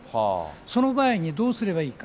その場合にどうすればいいか。